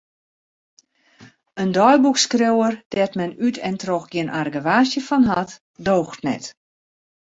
In deiboekskriuwer dêr't men út en troch gjin argewaasje fan hat, doocht net.